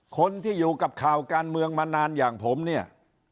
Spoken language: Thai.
คนที่อยู่กับข่าวการเมืองมานานอย่างผมเนี่ย